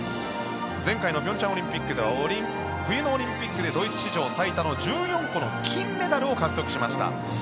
前回の平昌オリンピックでは冬のオリンピックでドイツ史上最多の１４個の金メダルを獲得しました。